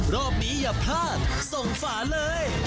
รอบนี้อย่าพลาดส่งฝาเลย